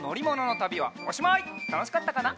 たのしかったかな？